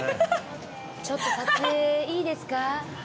ちょっと撮影いいですか？